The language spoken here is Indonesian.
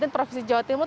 provinsi jawa timur